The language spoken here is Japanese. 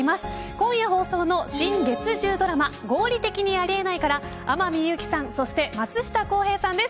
今夜放送の新月１０ドラマ合理的にあり得ない、から天海祐希さんそして、松下洸平さんです。